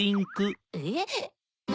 えっ？